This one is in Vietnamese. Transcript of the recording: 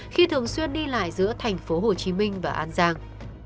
khi thường xuyên đi lại giữa thành phố hồ chí minh và an giang